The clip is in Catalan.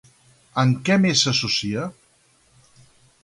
Amb què més s'associa?